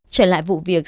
trở lại vụ việc